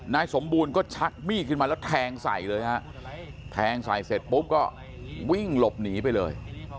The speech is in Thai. นายสมบูรณ์ก็ชักมีดขึ้นมาแล้วแทงใส่เลยฮะแทงใส่เสร็จปุ๊บก็วิ่งหลบหนีไปเลย